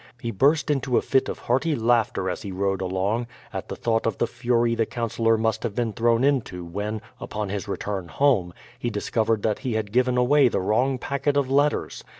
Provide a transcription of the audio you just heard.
He burst into a fit of hearty laughter as he rode along, at the thought of the fury the councillor must have been thrown into when, upon his return home, he discovered that he had given away the wrong packet of letters.